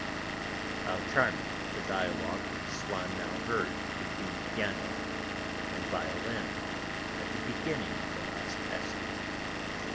How charming the dialogue which Swann now heard between piano and violin, at the beginning of the last passage.